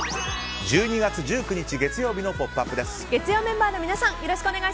１２月１９日、月曜日の「ポップＵＰ！」です。